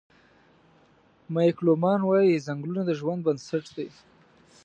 مېګ لومان وايي: "ځنګلونه د ژوند بنسټ دی.